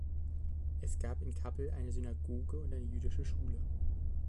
Es gab in Kappel eine Synagoge und eine jüdische Schule.